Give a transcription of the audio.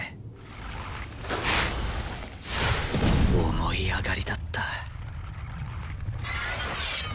思い上がりだった。